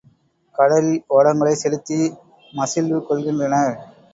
கடலில் ஓடங்களைச் செலுத்தி மசிழ்வு கொள்கின்றனர்.